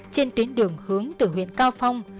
trên tuyến đường hướng từ huyện cao phong